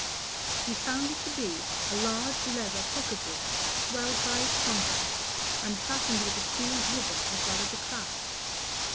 He found it to be a large leather pocket book swelled by its contents, and fastened with a sealed ribbon as well as a clasp.